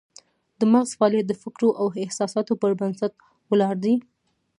د مغز فعالیت د فکر او احساساتو پر بنسټ ولاړ دی